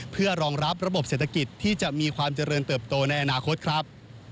เพื่อรองรับระบบเศรษฐกิจที่จะมีความเจริญเติบโตในอนาคตครับ